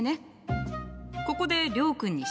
ここで諒君に質問。